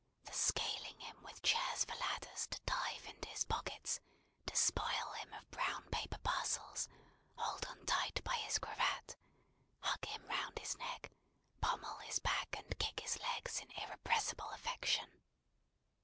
The scaling him with chairs for ladders to dive into his pockets, despoil him of brown paper parcels, hold on tight by his cravat, hug him round his neck, pommel his back, and kick his legs in irrepressible affection!